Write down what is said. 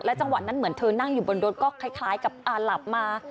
จังหวะนั้นเหมือนเธอนั่งอยู่บนรถก็คล้ายกับหลับมา